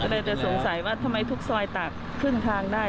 ก็เลยจะสงสัยว่าทำไมทุกซอยตากครึ่งทางได้